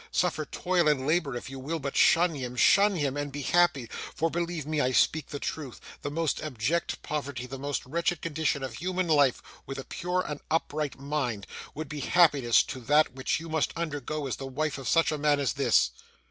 Suffer toil and labour if you will, but shun him, shun him, and be happy. For, believe me, I speak the truth; the most abject poverty, the most wretched condition of human life, with a pure and upright mind, would be happiness to that which you must undergo as the wife of such a man as this!